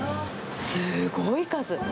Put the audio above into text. すごい数。